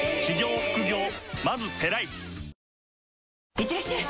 いってらっしゃい！